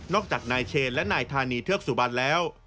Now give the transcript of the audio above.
จากนายเชนและนายธานีเทือกสุบันแล้ว